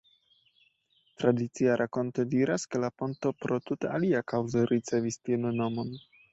Tradicia rakonto diras ke la ponto pro tute alia kaŭzo ricevis tiun nomon.